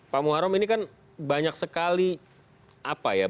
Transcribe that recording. pak muharrem ini kan banyak sekali apa ya